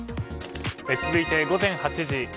続いて午前８時。